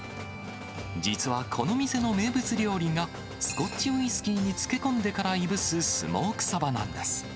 実はこの店の名物料理が、スコッチウイスキーに漬け込んでからいぶすスモークサバなんです。